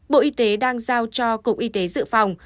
bộ y tế đang giao cho cục y tế dự phòng